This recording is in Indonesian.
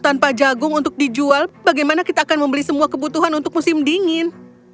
tanpa jagung untuk dijual bagaimana kita akan membeli semua kebutuhan untuk musim dingin